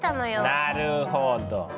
なるほど。